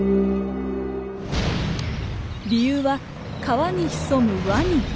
理由は川に潜むワニ。